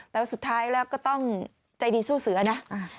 แต่ว่าสุดท้ายแล้วก็ต้องใจดีสู้เสือนะ